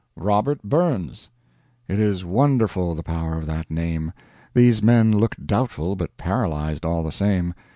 "Robert Burns." It is wonderful the power of that name. These men looked doubtful but paralyzed, all the same.